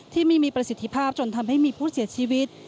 ที่ไม่มีประสิทธิภาพจนทำให้มีผู้เสียชีวิต